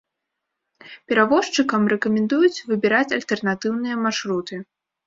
Перавозчыкам рэкамендуюць выбіраць альтэрнатыўныя маршруты.